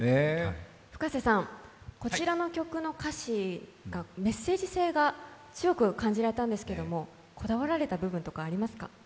Ｆｕｋａｓｅさん、こちらの曲の歌詩、メッセージ性が感じられたんですけれども、こだわられた部分とかありますか？